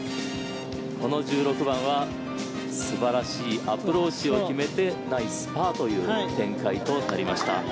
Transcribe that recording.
この１６番は素晴らしいアプローチを決めてナイスパーという展開となりました。